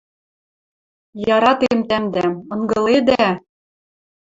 Яратем тӓмдӓм, ынгыледӓ?